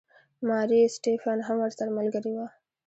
ماري سټیفن هم ورسره ملګرې وه.